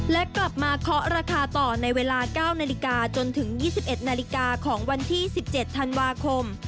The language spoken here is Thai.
และกลับมาเคาะราคาต่อในเวลา๙นาฬิกาจนถึง๒๑นาฬิกาของวันที่๑๗ธันวาคม